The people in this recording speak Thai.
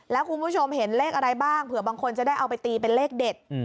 แล้วคุณผู้ชมเห็นเลขอะไรบ้างเผื่อบางคนจะได้เอาไปตีเป็นเลขเด็ด